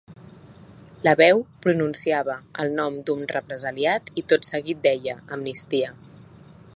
La veu pronunciava el nom d’un represaliat i tot seguit deia: “Amnistia”.